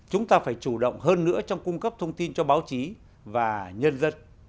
chúng ta phải chủ động hơn nữa trong cung cấp thông tin cho báo chí và nhân dân